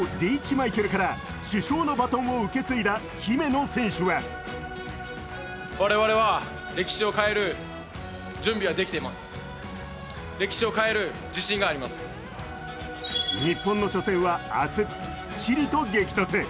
マイケルから主将のバトンを受け継いだ姫野の選手は日本の初戦は明日、チリと激突。